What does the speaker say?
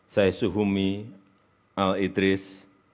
saya suhumi al idris